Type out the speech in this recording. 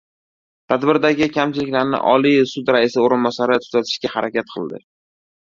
Tadbirdagi kamchiliklarni Oliy sud raisi o‘rinbosari tuzatishga harakat qildi